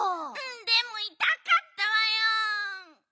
でもいたかったわよ！